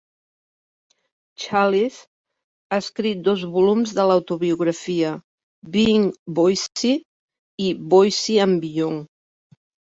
Challis ha escrit dos volums de l'autobiografia: "Being Boycie" i "Boycie and Beyond".